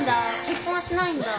結婚はしないんだ。